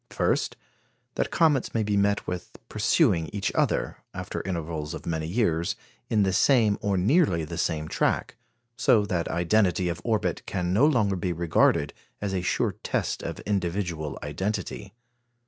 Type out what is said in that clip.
First, that comets may be met with pursuing each other, after intervals of many years, in the same, or nearly the same, track; so that identity of orbit can no longer be regarded as a sure test of individual identity.